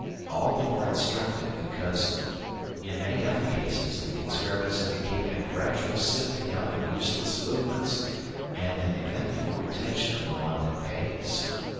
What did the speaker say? All the more instructive because in many other cases the experiments indicate a gradual sifting out of useless movements and an eventful retention of the one that pays.